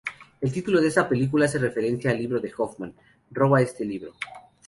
El título de esta película hace referencia al libro de Hoffman Roba este libro.